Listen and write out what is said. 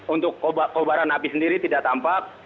untuk kobaran api sendiri tidak tampak